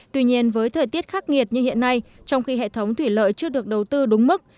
tuy nhiên với thời tiết khắc nghiệt như hiện nay trong khi hệ thống thủy lợi chưa được đầu tư đúng mức